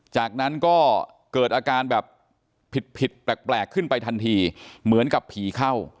จากนั้นก็เกิดอาการแบบผิดผิดแปลกขึ้นไปทันทีเหมือนกับผีเข้า